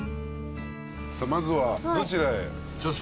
さあまずはどちらへ？